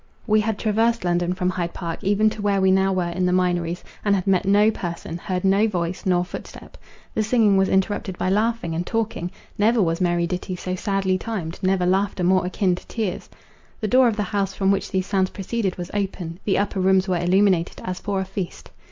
We had traversed London from Hyde Park even to where we now were in the Minories, and had met no person, heard no voice nor footstep. The singing was interrupted by laughing and talking; never was merry ditty so sadly timed, never laughter more akin to tears. The door of the house from which these sounds proceeded was open, the upper rooms were illuminated as for a feast.